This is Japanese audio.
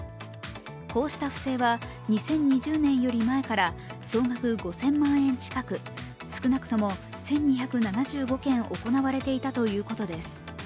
こうした不正は２０２０年より前から総額５０００万円近く少なくとも１２７５件行われていたということです。